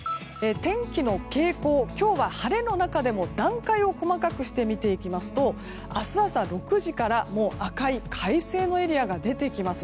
天気の傾向、今日は晴れの中でも段階を細かくして見ていきますと明日朝６時から赤い、快晴のエリアが出てきます。